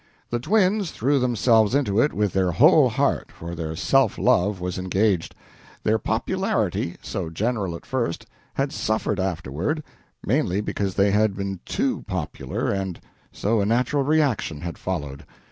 The twins threw themselves into it with their whole heart, for their self love was engaged. Their popularity, so general at first, had suffered afterward; mainly because they had been too popular, and so a natural reaction had followed.